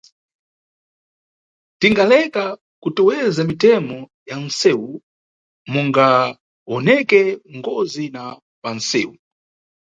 Tingaleka kuteweza mitemo ya munʼsewu, kungawoneke ngozi za panʼsewu.